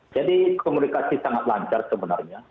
jadi komunikasi sangat lancar sebenarnya